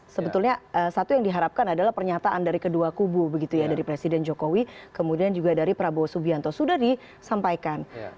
sebetulnya satu yang diharapkan adalah pernyataan dari kedua kubu begitu ya dari presiden jokowi kemudian juga dari prabowo subianto sudah disampaikan